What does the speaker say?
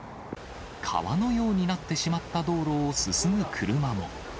川のようになってしまった道路を進む車も。